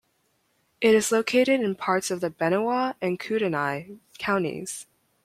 It is located in parts of Benewah and Kootenai counties.